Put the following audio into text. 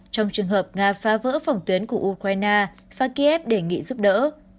trong trường hợp nga phá vỡ phòng tuyến của ukraine và kiev đề nghị giúp đỡ